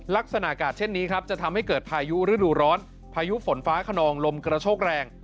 ลักษณะอากาศเช่นนี้ครับจะทำให้เกิดพายุฤดูร้อนพายุฝนฟ้าขนองลมกระโชกแรง